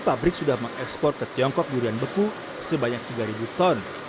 pabrik sudah mengekspor ke tiongkok durian beku sebanyak tiga ton